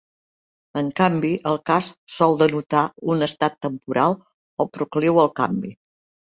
En canvi, el cas sol denotar un estat temporal o procliu al canvi.